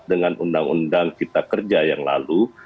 dengan undang undang kita kerja yang lalu